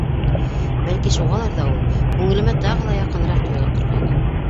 Бәлки шуғалыр ҙа ул күңелемә тағы ла яҡыныраҡ тойола торғайны.